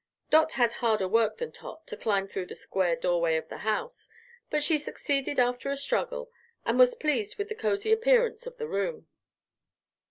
Dot had harder work than Tot to climb through the square doorway of the house, but she succeeded after a struggle and was pleased with the cozy appearance of the room.